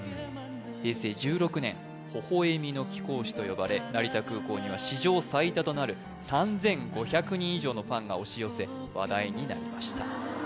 平成１６年「微笑みの貴公子」と呼ばれ成田空港には史上最多となる３５００人以上のファンが押し寄せ話題になりました